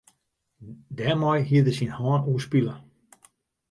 Dêrmei hied er syn hân oerspile.